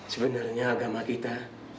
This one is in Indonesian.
sebenarnya agama kita